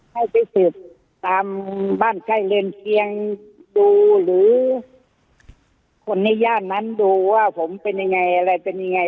ให้ไปสืบตามบ้านใกล้เรือนเคียงดูหรือคนในย่านนั้นดูว่าผมเป็นยังไงอะไรเป็นยังไง